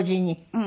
うん。